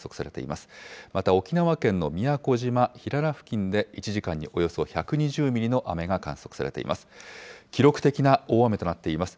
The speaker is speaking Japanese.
また沖縄県の宮古島・平良付近で１時間におよそ１２０ミリの雨が観測されています。